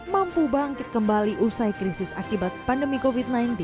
mampu bangkit kembali usai krisis akibat pandemi covid sembilan belas